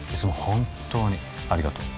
本当にありがとう